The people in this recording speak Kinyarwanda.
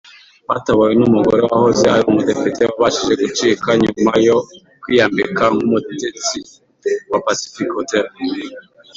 Batabawe n’umugore wahoze ari umudepite wabashije gucika nyuma yo kwiyambika nk’umutetsi wa Pacific Hotel